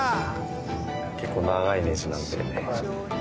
結構長いネジなんで。